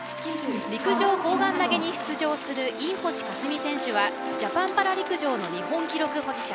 陸上・砲丸投げに出場する飯星かすみ選手はジャパンパラ陸上の日本記録保持者。